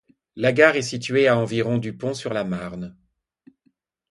La gare est située à environ du pont sur la Marne.